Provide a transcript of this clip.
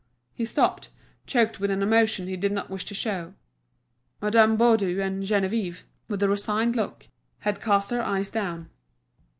He stopped, choked with an emotion he did not wish to show. Madame Baudu and Geneviève, with a resigned look, had cast their eyes down.